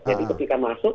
jadi ketika masuk